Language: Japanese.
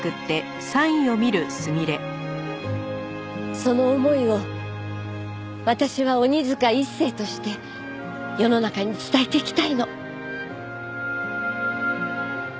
その思いを私は鬼塚一誠として世の中に伝えていきたいの。